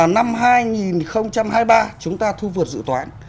năm hai nghìn hai mươi ba chúng ta thu vượt dự toán